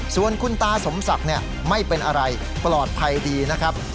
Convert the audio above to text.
ส่วนคุณตาสมศักดิ์ไม่เป็นอะไรปลอดภัยดีนะครับ